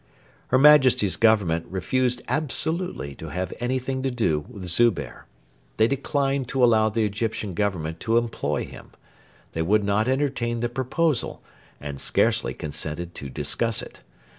Her Majesty's Government refused absolutely to have anything to do with Zubehr. They declined to allow the Egyptian Government to employ him. They would not entertain the proposal, and scarcely consented to discuss it.